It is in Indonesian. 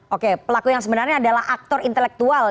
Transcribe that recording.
oke pelaku yang sebenarnya adalah aktor intelektual